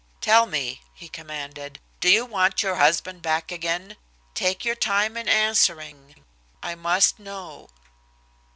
"Tell me," he commanded, "do you want your husband back again. Take your time in answering. I must know."